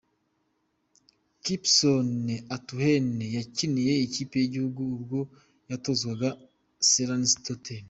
Kipson Atuheire yakiniye ikipe y’igihugu ubwo yatozwaga Sellas Tetteh.